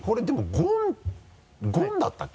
ゴンだったっけ？